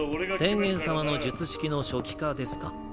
天元様の術式の初期化ですか？